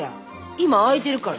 今空いてるから。